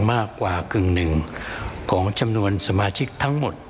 มากกว่ากึ่งหนึ่งของจำนวนสมาชิกทั้งหมด